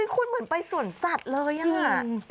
คุณเหมือนไปสวนสัตว์เลยอะ